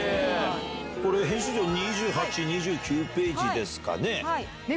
編集長２８２９ページですかね。